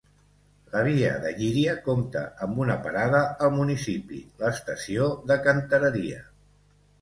La via de Llíria compta amb una parada al municipi: l'estació de Cantereria.